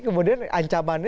kemudian ancamannya seperti ini